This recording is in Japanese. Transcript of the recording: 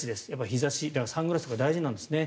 日差しサングラスが大事なんですね。